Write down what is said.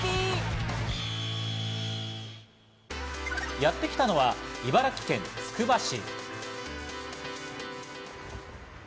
やってきたのは茨城県つくば市。